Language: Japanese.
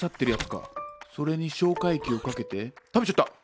それに消化液をかけて食べちゃった。